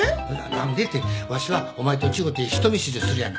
何でってわしはお前と違うて人見知りするやん。